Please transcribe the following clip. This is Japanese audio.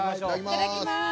いただきます。